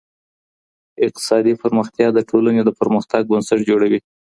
اقتصادي پرمختيا د ټولني د پرمختګ بنسټ جوړوي.